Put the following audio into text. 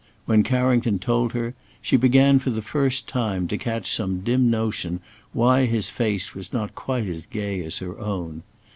When Carrington told her, she began for the first time to catch some dim notion why his face was not quite as gay as her own.